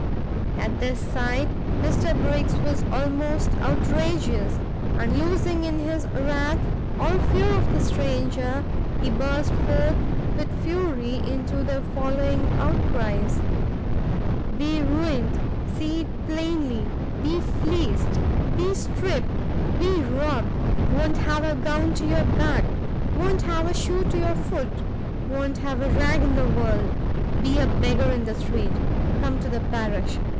At this sight, Mr Briggs was almost outrageous, and losing in his wrath, all fear of the stranger, he burst forth with fury into the following outcries, "Be ruined! see it plainly; be fleeced! be stript! be robbed! won't have a gown to your back! won't have a shoe to your foot! won't have a rag in the world! be a beggar in the street! come to the parish!